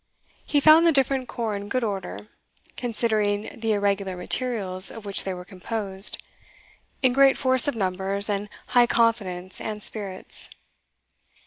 He found the different corps in good order, considering the irregular materials of which they were composed, in great force of numbers and high confidence and spirits.